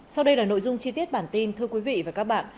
sau đây là nội dung chi tiết bản tin thưa quý vị và các bạn